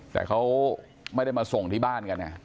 แต่เขาไม่ได้มาส่งที่บ้านกัน